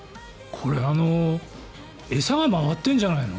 これ、餌が回ってんじゃないの？